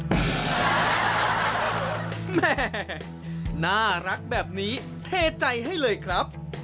แม่น่ารักแบบนี้เทใจให้เลยครับ